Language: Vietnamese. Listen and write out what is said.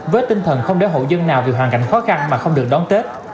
với tinh thần không để hộ dân nào vì hoàn cảnh khó khăn mà không được đón tết